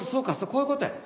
こういうことや。